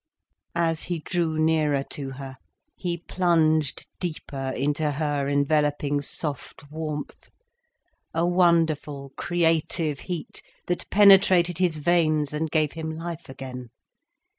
As he drew nearer to her, he plunged deeper into her enveloping soft warmth, a wonderful creative heat that penetrated his veins and gave him life again.